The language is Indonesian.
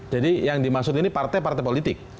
jadi yang dimaksud ini partai partai politik